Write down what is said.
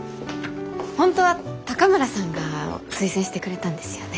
本当は高村さんが推薦してくれたんですよね？